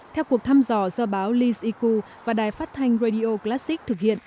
theo cuộc thăm dò do báo leedsiku và đài phát thanh radio classic thực hiện